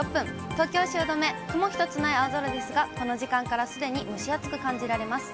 東京・汐留、雲一つない青空ですが、この時間からすでに蒸し暑く感じられます。